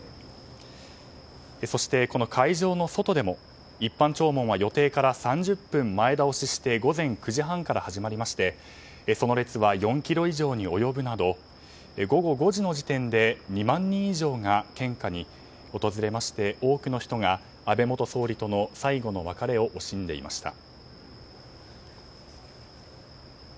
そしてこの会場の外でも一般弔問は予定から３０分前倒しして午前９時半から始まりましてその列は４ｋｍ以上に及ぶなど午後５時の時点で２万人以上が献花に訪れまして多くの人が安倍元総理との最後の別れを惜しんでいました。